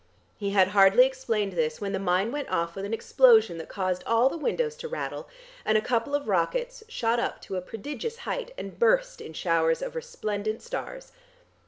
He had hardly explained this when the mine went off with an explosion that caused all the windows to rattle, and a couple of rockets shot up to a prodigious height and burst in showers of resplendent stars.